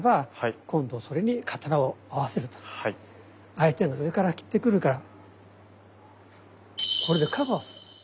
相手が上から斬ってくるからこれでカバーをすると。